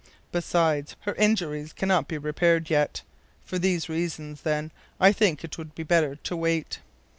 Besides, her injuries can not be repaired yet. For these reasons, then, I think it would be better to wait."